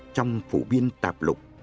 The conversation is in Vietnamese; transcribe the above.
trong phủ biên tạp lục